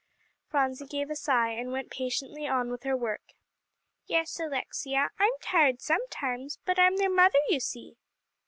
Phronsie gave a sigh, and went patiently on with her work. "Yes, Alexia, I'm tired sometimes; but I'm their mother, you see."